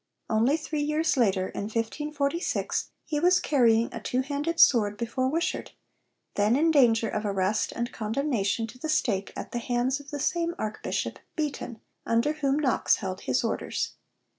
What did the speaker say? Only three years later, in 1546, he was carrying a two handed sword before Wishart, then in danger of arrest and condemnation to the stake at the hands of the same Archbishop Beaton under whom Knox held his orders.